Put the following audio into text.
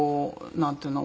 なんて言うの？